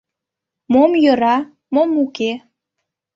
Мом йӧра, мом уке -